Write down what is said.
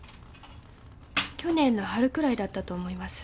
去年の春くらいだったと思います。